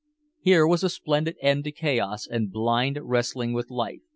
Here was a splendid end to chaos and blind wrestling with life.